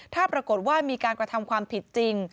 ถ้าปรากฏว่ามีการกระทำความผิดจริง